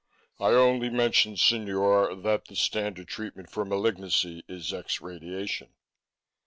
"I only mention, Signore, that the standard treatment for malignancy is X radiation."